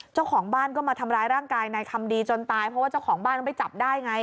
เจ้าของบ้านก็มาทำร้ายร่างกายนายคำดีจนตายเพราะว่าเจ้าของบ้านต้องไปจับได้ไง